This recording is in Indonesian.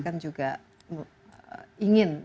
kan juga ingin